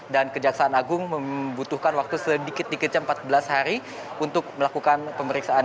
dan kekejaksaan agung membutuhkan waktu sedikit dikit saja empat belas hari untuk melakukan pemeriksaan